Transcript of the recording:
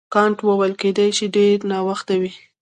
کانت وویل کیدای شي ډېر ناوخته وي.